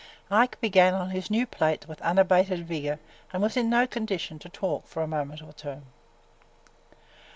Ike began on his new plate with unabated vigor and was in no condition to talk for a moment or two.